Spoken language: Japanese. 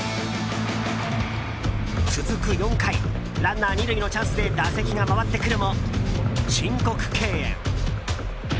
続く４回ランナー２塁のチャンスで打席が回ってくるも、申告敬遠。